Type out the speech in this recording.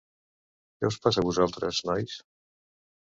Què us passa a vosaltres, nois?